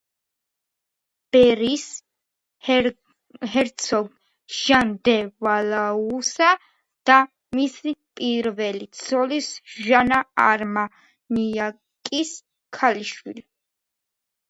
ბერის ჰერცოგ ჟან დე ვალუასა და მისი პირველი ცოლის, ჟანა არმანიაკის ქალიშვილი.